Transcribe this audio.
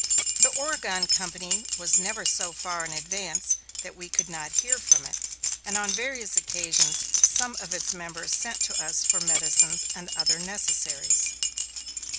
The Oregon company was never so far in advance that we could not hear from it, and on various occasions, some of its members sent to us for medicines and other necessaries.